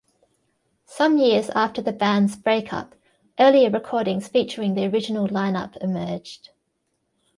Some years after the band's break up, earlier recordings featuring the original line-up emerged.